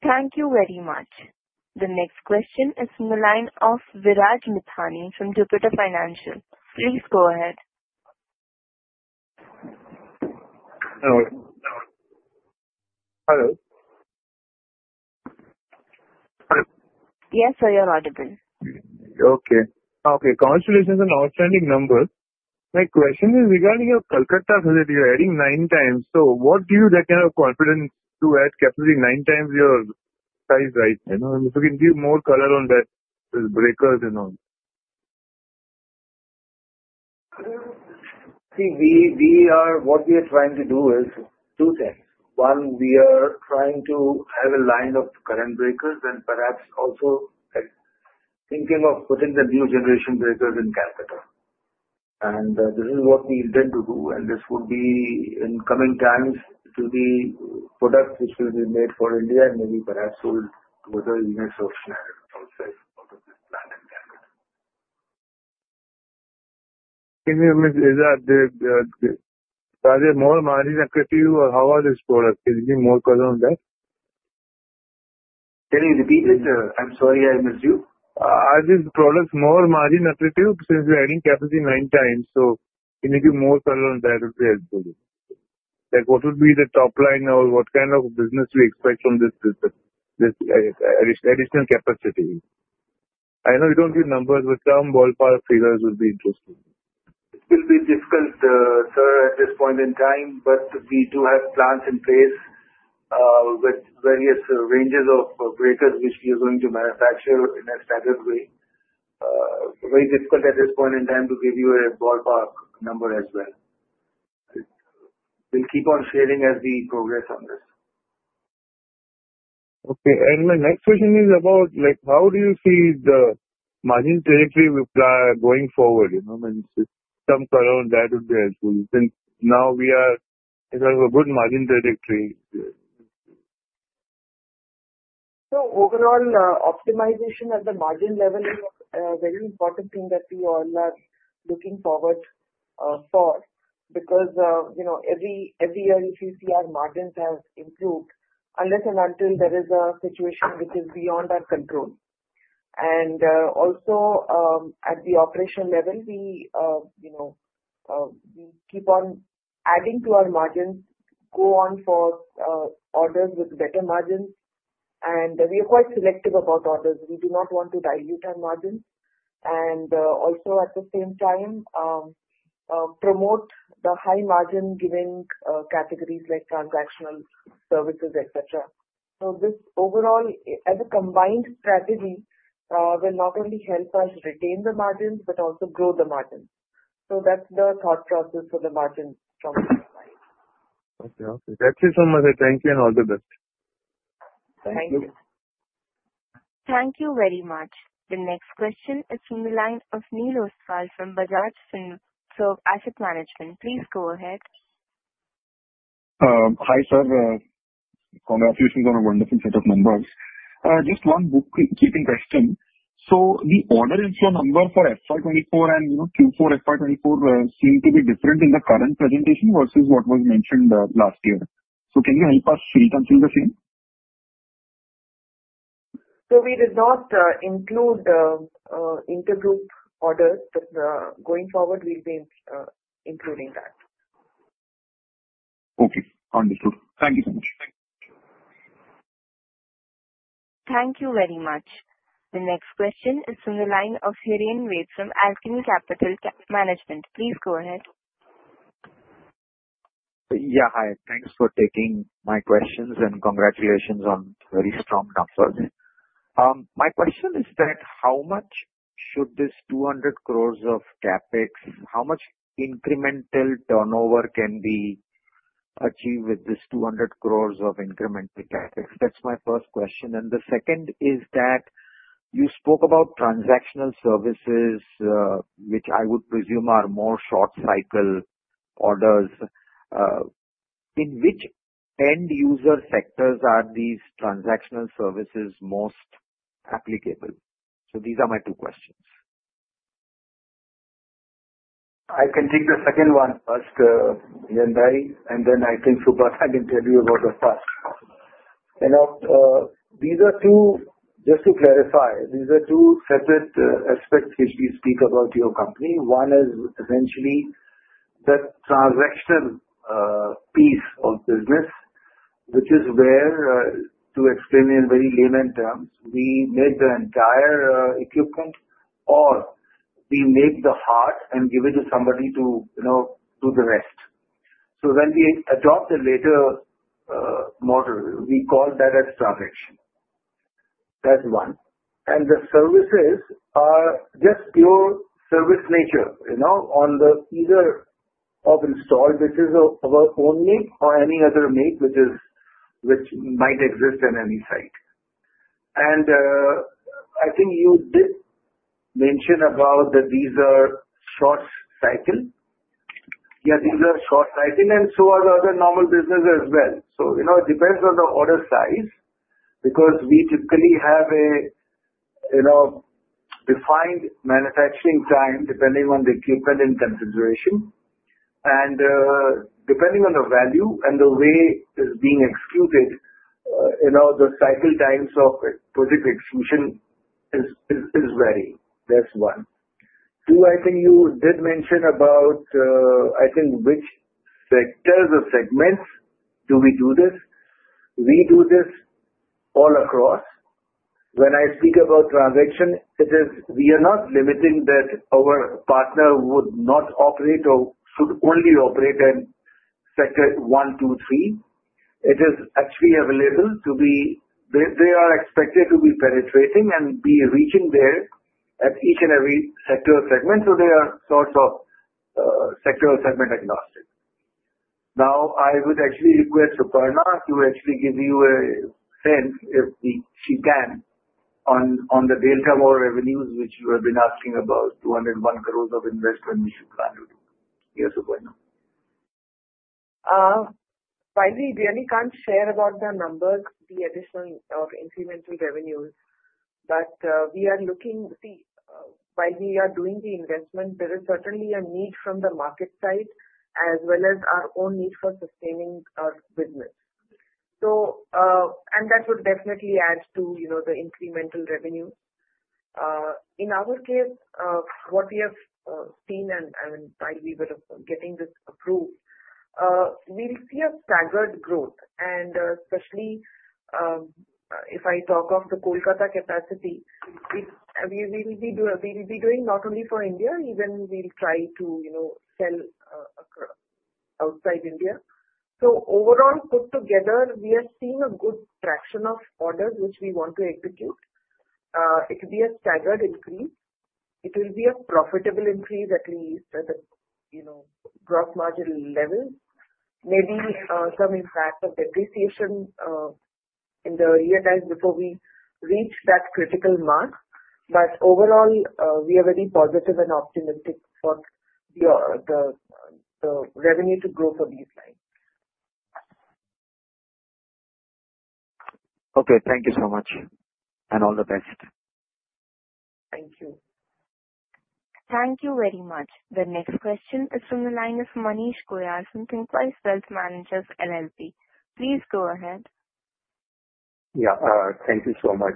Thank you very much. The next question is from the line of Viraj Mithani from Jupiter Financial. Please go ahead. Hello. Hello. Yes, sir, you're audible. Okay. Okay. Congratulations on outstanding numbers. My question is regarding your Kolkata facility. You're adding nine times. So what do you reckon of confidence to add capacity nine times your size, right? If you can give more color on that with breakers and all. See, what we are trying to do is two things. One, we are trying to have a line of current breakers and perhaps also thinking of putting the new generation breakers in Kolkata. This is what we intend to do. This would be in coming times to be products which will be made for India and maybe perhaps sold to other units of Schneider outside of this plant in Kolkata. Is there more margin equity or how are these products? Can you give more color on that? Can you repeat it? I'm sorry, I missed you. Are these products more margin equity since we're adding capacity nine times? Can you give more color on that? It would be helpful. What would be the top line or what kind of business we expect from this additional capacity? I know you don't give numbers, but some ballpark figures would be interesting. It will be difficult, sir, at this point in time, but we do have plants in place with various ranges of breakers which we are going to manufacture in a standard way. Very difficult at this point in time to give you a ballpark number as well. We'll keep on sharing as we progress on this. Okay. My next question is about how do you see the margin trajectory going forward? Some color on that would be helpful. Since now we are in a good margin trajectory. Overall, optimization at the margin level is a very important thing that we all are looking forward for because every year we see our margins have improved unless and until there is a situation which is beyond our control. Also at the operational level, we keep on adding to our margins, go on for orders with better margins. We are quite selective about orders. We do not want to dilute our margins. Also at the same time, promote the high margin giving categories like transactional services, etc. This overall, as a combined strategy, will not only help us retain the margins but also grow the margins. That is the thought process for the margin from my side. Okay, okay. That's it from my side. Thank you and all the best. Thank you. Thank you very much. The next question is from the line of Neil Ostwal from Bajaj Finserv Asset Management. Please go ahead. Hi sir. Congratulations on a wonderful set of numbers. Just one bookkeeping question. The order info number for FY 2024 and Q4 FY 2024 seem to be different in the current presentation versus what was mentioned last year. Can you help us reconcile the same? We did not include the intergroup orders. Going forward, we'll be including that. Okay. Understood. Thank you so much. Thank you very much. The next question is from the line of [Hereen Wade] from Alkeon Capital Management. Please go ahead. Yeah, hi. Thanks for taking my questions and congratulations on very strong numbers. My question is that how much should this 200 crore of CapEx, how much incremental turnover can be achieved with this 200 crore of incremental CapEx? That's my first question. The second is that you spoke about transactional services, which I would presume are more short-cycle orders. In which end user sectors are these transactional services most applicable? These are my two questions. I can take the second one first, [Yandari], and then I think Suparna can tell you about the first. These are two, just to clarify, these are two separate aspects which we speak about your company. One is essentially the transactional piece of business, which is where, to explain in very layman terms, we make the entire equipment or we make the part and give it to somebody to do the rest. When we adopt a later model, we call that as transaction. That's one. The services are just pure service nature on the either of installed, which is of our own make or any other make which might exist at any site. I think you did mention about that these are short-cycle. Yeah, these are short-cycle and so are the other normal businesses as well. It depends on the order size because we typically have a defined manufacturing time depending on the equipment in consideration. Depending on the value and the way it's being executed, the cycle times of project execution is varying. That's one. Two, I think you did mention about, I think, which sectors or segments do we do this? We do this all across. When I speak about transaction, it is we are not limiting that our partner would not operate or should only operate in sector one, two, three. It is actually available to be they are expected to be penetrating and be reaching there at each and every sector or segment. They are sort of sector or segment agnostic. Now, I would actually request Suparna to actually give you a sense if she can on the delta more revenues, which you have been asking about, 201 crore of investment we should plan to do. Yes, Suparna. Finally, we only can't share about the numbers, the additional or incremental revenues. We are looking, see, while we are doing the investment, there is certainly a need from the market side as well as our own need for sustaining our business. That would definitely add to the incremental revenues. In our case, what we have seen, and I will be getting this approved, we see a staggered growth. Especially if I talk of the Kolkata capacity, we will be doing not only for India, even we will try to sell outside India. Overall, put together, we have seen a good fraction of orders which we want to execute. It will be a staggered increase. It will be a profitable increase at least at the gross margin level. Maybe some impact of depreciation in the year time before we reach that critical mark. Overall, we are very positive and optimistic for the revenue to grow for these lines. Okay. Thank you so much. All the best. Thank you. Thank you very much. The next question is from the line of Manish Goyal from Thinqwise Wealth Managers LLP. Please go ahead. Yeah. Thank you so much.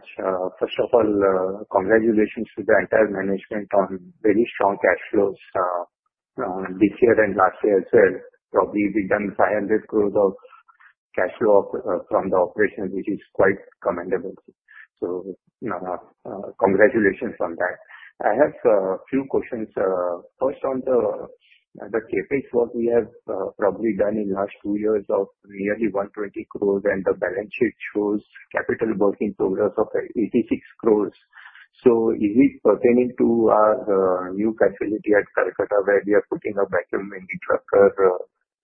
First of all, congratulations to the entire management on very strong cash flows this year and last year as well. Probably we've done 500 crore of cash flow from the operations, which is quite commendable. So congratulations on that. I have a few questions. First, on the CapEx work we have probably done in the last two years of nearly 120 crore, and the balance sheet shows capital work in progress of 86 crore. Is it pertaining to our new facility at Kolkata where we are putting up a back-end minitrucker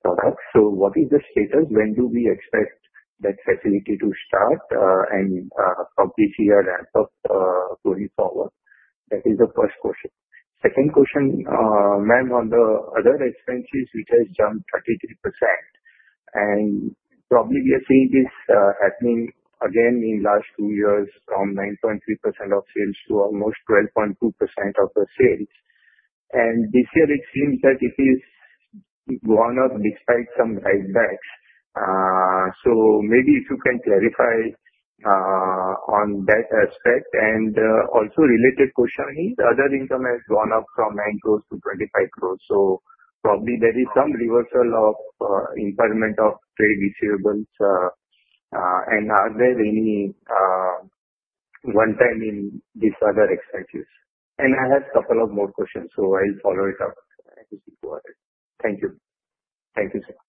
product? What is the status? When do we expect that facility to start? Probably see a ramp-up going forward. That is the first question. Second question, ma'am, on the other expenses, which has jumped 33%. We are seeing this happening again in the last two years from 9.3% of sales to almost 12.2% of the sales. This year, it seems that it has gone up despite some drive-backs. Maybe if you can clarify on that aspect. Also, related question, the other income has gone up from 9 crore to 25 crore. Probably there is some reversal of impairment of trade receivables. Are there any one-time items in these other expenses? I have a couple of more questions, so I'll follow it up as we go ahead. Thank you. Thank you so much.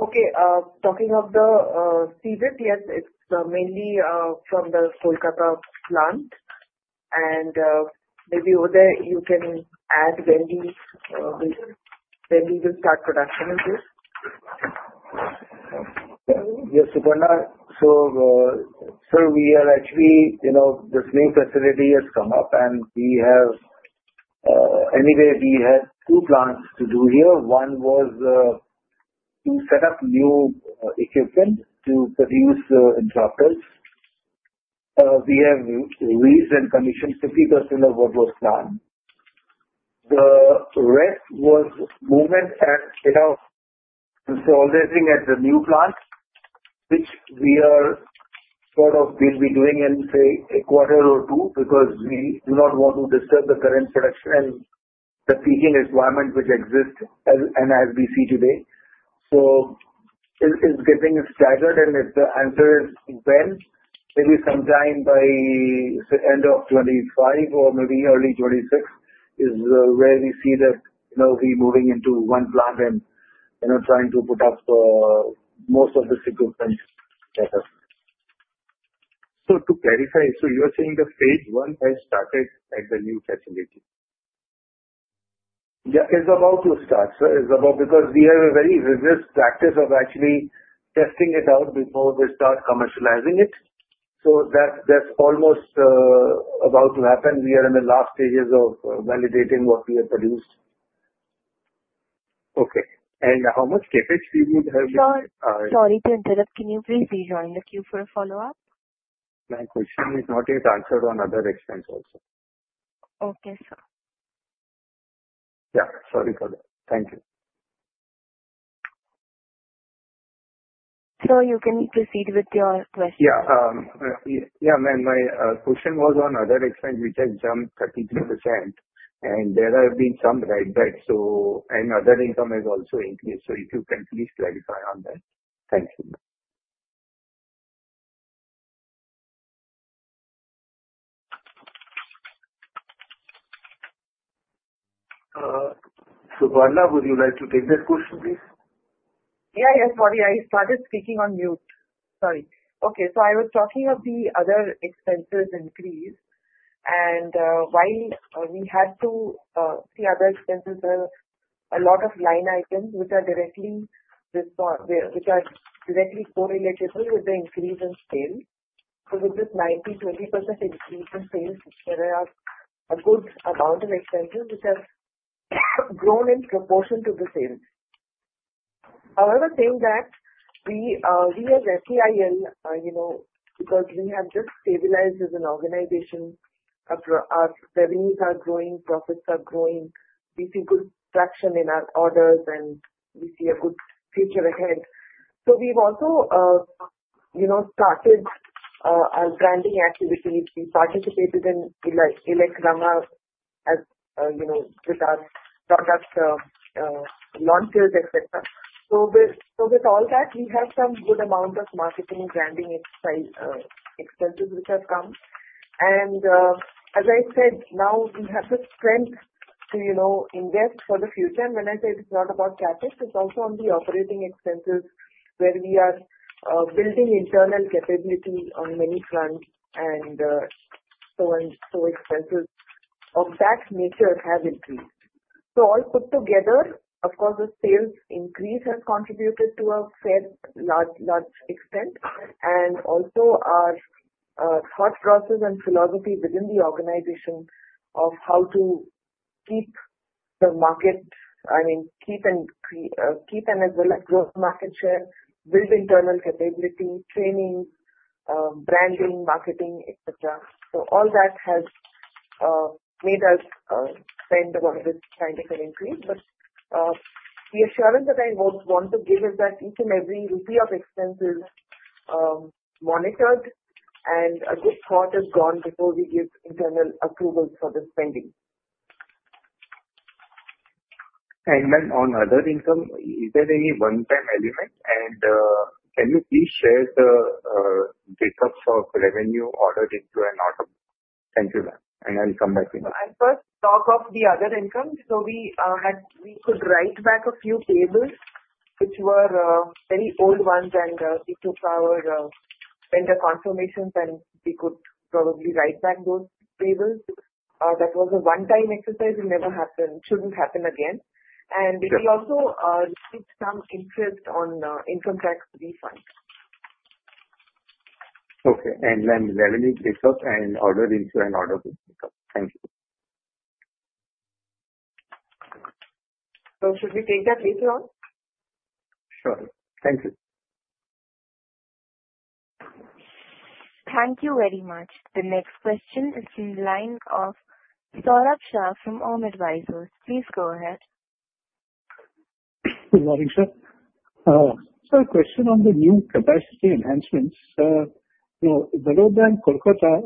Okay. Talking of the seed it, yes, it's mainly from the Kolkata plant. Maybe over there, you can add when we will start production on this. Yes, Suparna. So sir, we are actually, this new facility has come up, and we have, anyway, we had two plans to do here. One was to set up new equipment to produce interrupters. We have reached and commissioned 50% of what was planned. The rest was movement and installing at the new plant, which we are sort of, will be doing in, say, a quarter or two because we do not want to disturb the current production and the peaking requirement which exist and as we see today. It is getting staggered. If the answer is when, maybe sometime by end of 2025 or maybe early 2026 is where we see that we are moving into one plant and trying to put up most of this equipment better. To clarify, you are saying that phase one has started at the new facility? Yeah, it's about to start, sir. It's about because we have a very rigorous practice of actually testing it out before we start commercializing it. That's almost about to happen. We are in the last stages of validating what we have produced. Okay. How much CapEx would we have? Sorry to interrupt. Can you please rejoin the queue for a follow-up? My question is not yet answered on other expense also. Okay, sir. Yeah. Sorry for that. Thank you. Sir, you can proceed with your question. Yeah. Yeah, ma'am. My question was on other expense, which has jumped 33%. There have been some drive-backs, and other income has also increased. If you can please clarify on that. Thank you. Suparna, would you like to take that question, please? Yeah, yes, sorry. I started speaking on mute. Sorry. Okay. I was talking of the other expenses increase. While we had to see other expenses, there are a lot of line items which are directly correlated with the increase in sales. With this [90], 20% increase in sales, there are a good amount of expenses which have grown in proportion to the sales. However, saying that, we as FEIL, because we have just stabilized as an organization, our revenues are growing, profits are growing, we see good traction in our orders, and we see a good future ahead. We have also started our branding activities. We participated in ELECRAMA with our product launches, etc. With all that, we have some good amount of marketing and branding expenses which have come. As I said, now we have the strength to invest for the future. When I say it's not about CapEx, it's also on the operating expenses where we are building internal capability on many fronts. Expenses of that nature have increased. All put together, of course, the sales increase has contributed to a fair large extent. Also, our thought process and philosophy within the organization of how to keep the market, I mean, keep and as well as grow market share, build internal capability, training, branding, marketing, etc. All that has made us spend about this kind of an increase. The assurance that I want to give is that each and every rupee of expense is monitored and a good part is gone before we give internal approvals for the spending. Ma'am, on other income, is there any one-time element? Can you please share the breakup for revenue ordered into an order? Thank you, ma'am. I'll come back to that. I'll first talk of the other income. We could write back a few tables, which were very old ones. We took our vendor confirmations, and we could probably write back those tables. That was a one-time exercise. It never happened, shouldn't happen again. We also received some interest on income tax refund. Okay. And ma'am, revenue breakup and order into an order breakup. Thank you. Should we take that later on? Sure. Thank you. Thank you very much. The next question is from the line of Saurabh Shah from AUM Advisors. Please go ahead. Good morning, sir. Sir, question on the new capacity enhancements. The road line Kolkata,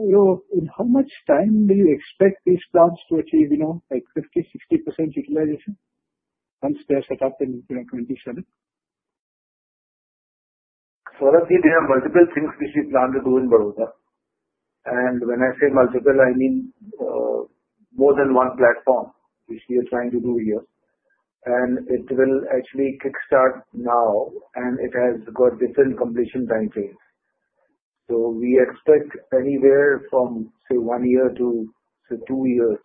in how much time do you expect these plants to achieve like 50%-60% utilization once they're set up in 2027? Saurabh, there are multiple things which we plan to do in Vadodara. When I say multiple, I mean more than one platform, which we are trying to do here. It will actually kickstart now, and it has got different completion time frames. We expect anywhere from, say, one year to, say, two years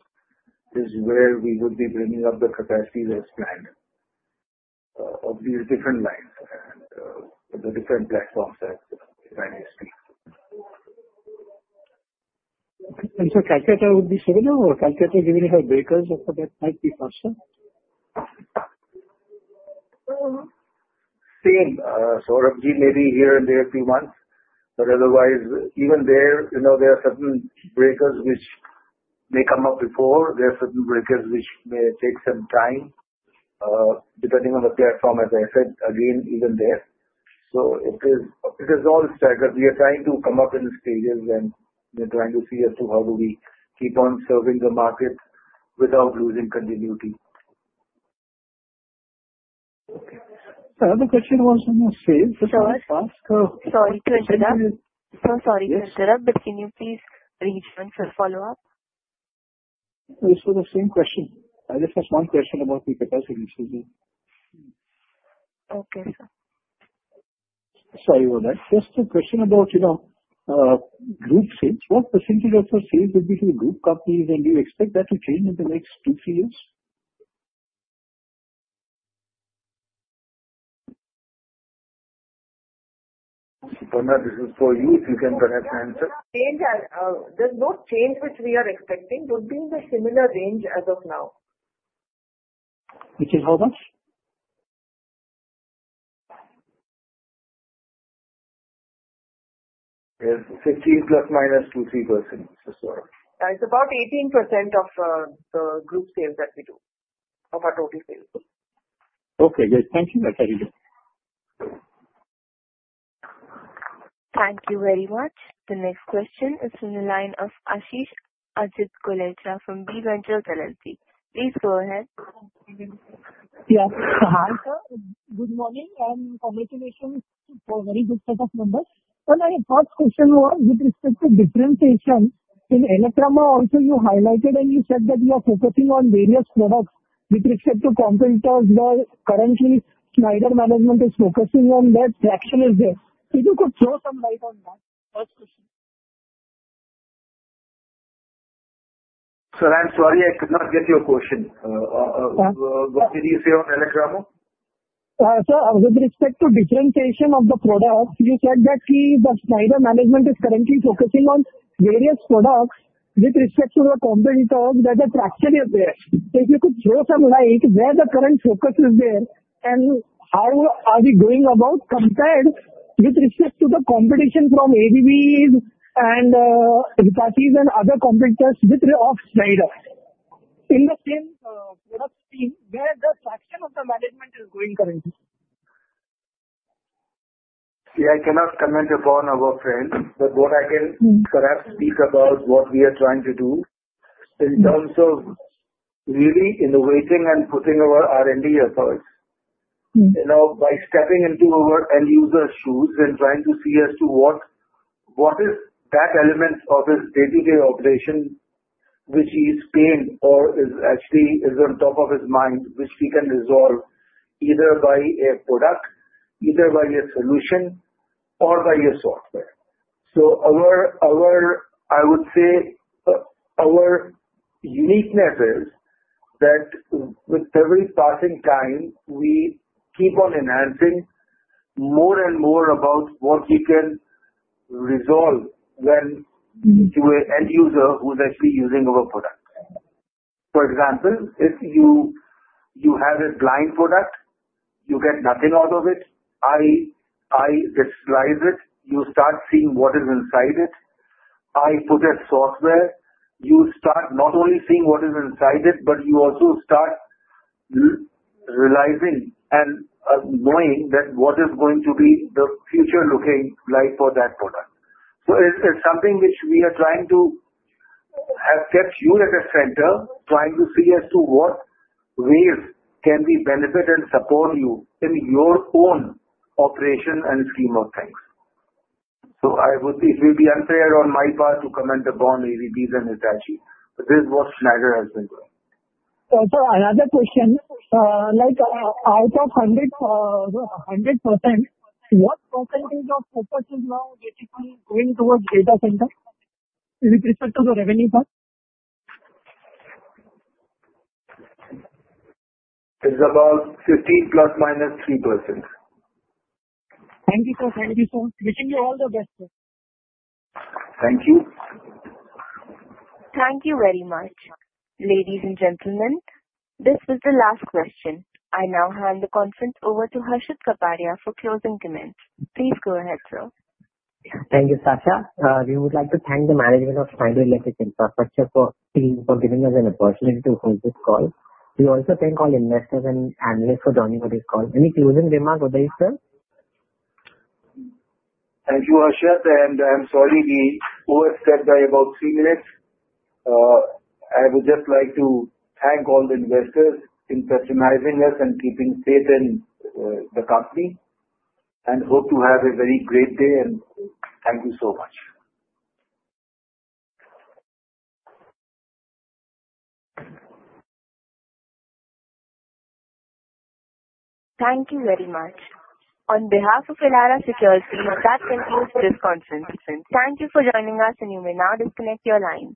is where we would be bringing up the capacity that is planned of these different lines and the different platforms that the managers need. Calcutta would be similar or Kolkata is giving her breakers or that might be faster? Same. Saurabh, maybe here and there a few months. Otherwise, even there, there are certain breakers which may come up before. There are certain breakers which may take some time depending on the platform, as I said, again, even there. It is all staggered. We are trying to come up in the stages, and we are trying to see as to how do we keep on serving the market without losing continuity. Okay. Another question was on the sales. Sorry to interrupt, but can you please rejoin for a follow-up? It's for the same question. I just have one question about the capacity increases. Okay, sir. Sorry for that. Just a question about group sales. What percentage of the sales will be to the group companies, and do you expect that to change in the next two, three years? Suparna, this is for you. If you can perhaps answer. Change. There's no change which we are expecting. It would be in the similar range as of now. Which is how much? Yes, 15% ± 3%, just so you know. It's about 18% of the group sales that we do, of our total sales. Okay. Great. Thank you. That's everything. Thank you very much. The next question is from the line of Ashish Ajit Golechha from Bee Ventures LLP. Please go ahead. Yes. Hi, sir. Good morning. Congratulations for a very good set of numbers. My first question was with respect to differentiation in ELECRAMA. Also, you highlighted and you said that you are focusing on various products with respect to competitors. Currently, Schneider management is focusing on their fractional sales. You could throw some light on that first question. Sir, I'm sorry. I could not get your question. What did you say on ELECRAMA? Sir, with respect to differentiation of the products, you said that the Schneider management is currently focusing on various products with respect to the competitors where the fraction is there. If you could throw some light where the current focus is there and how are we going about compared with respect to the competition from ABB and Hitachi and other competitors of Schneider in the same product team where the fraction of the management is going currently. Yeah, I cannot comment upon our friends, but what I can perhaps speak about is what we are trying to do in terms of really innovating and putting our R&D efforts by stepping into our end user's shoes and trying to see as to what is that element of his day-to-day operation which he's pained or is actually on top of his mind, which he can resolve either by a product, either by a solution, or by a software. I would say our uniqueness is that with every passing time, we keep on enhancing more and more about what we can resolve when to an end user who's actually using our product. For example, if you have a blind product, you get nothing out of it. I visualize it. You start seeing what is inside it. I put a software. You start not only seeing what is inside it, but you also start realizing and knowing that what is going to be the future-looking light for that product. It is something which we are trying to have kept you at the center, trying to see as to what ways can we benefit and support you in your own operation and scheme of things. It will be unfair on my part to comment upon ABB and Hitachi. This is what Schneider has been doing. Sir, another question. Out of 100%, what percentage of focus is now basically going towards data center with respect to the revenue part? It's about 15% ± 3%. Thank you, sir. Wishing you all the best, sir. Thank you. Thank you very much, ladies and gentlemen. This was the last question. I now hand the conference over to Harshit Kapadia for closing comment. Please go ahead, sir. Thank you, [Saicha]. We would like to thank the management of Schneider Electric Infrastructure for giving us an opportunity to hold this call. We also thank all investors and analysts for joining us on this call. Any closing remarks otherwise, sir? Thank you, Harshit. I'm sorry we overstepped by about three minutes. I would just like to thank all the investors in patronizing us and keeping safe in the company and hope to have a very great day. Thank you so much. Thank you very much. On behalf of Elara Securities, that concludes this conference. Thank you for joining us, and you may now disconnect your line.